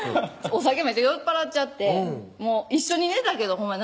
お酒めっちゃ酔っ払っちゃって一緒に寝たけどほんま